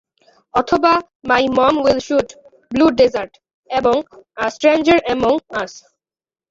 অথবা my mom will shoot", "blue desert" এবং "a stranger among us".